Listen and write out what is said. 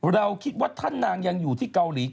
เราคิดว่าท่านนางยังอยู่ที่เกาหลี